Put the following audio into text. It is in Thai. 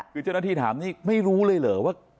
คือเจ้าหน้าที่ถามนี่ไม่รู้เลยเหรอว่า